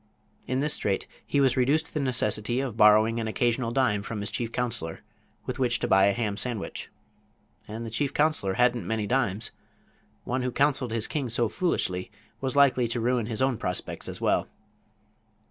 In this straight he was reduced to the necessity of borrowing an occasional dime from his chief counselor, with which to buy a ham sandwich. And the chief counselor hadn't many dimes. One who counseled his king so foolishly was likely to ruin his own prospects as well.